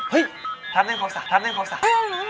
เฮ้ยทัพนั่งของศาทัพนั่งของศา